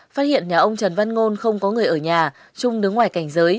phát hiện nhà ông trần văn ngôn không có người ở nhà trung đứng ngoài cảnh giới